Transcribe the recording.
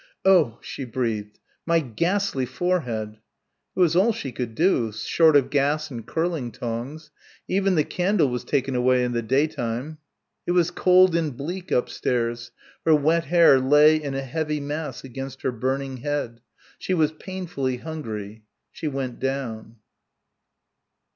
"Oh," she breathed, "my ghastly forehead." It was all she could do short of gas and curling tongs. Even the candle was taken away in the day time. It was cold and bleak upstairs. Her wet hair lay in a heavy mass against her burning head. She was painfully hungry. She went down.